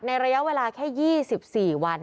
ระยะเวลาแค่๒๔วัน